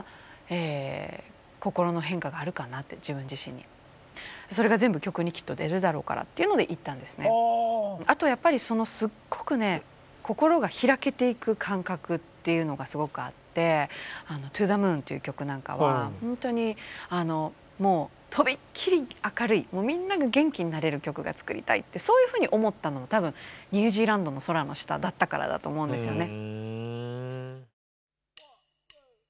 ニュージーランドで曲を作ってきたんですけどデビューして１５周年節目を迎えた辺りからあとやっぱりすっごくね心が開けていく感覚っていうのがすごくあって「ＴｏＴｈｅＭｏｏｎ」っていう曲なんかは本当にとびっきり明るいみんなが元気になれる曲が作りたいってそういうふうに思ったのは多分ニュージーランドの空の下だったからだと思うんですよね。